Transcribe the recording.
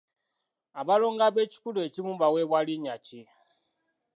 Abalongo ab’ekikula ekimu baweebwa linnya ki?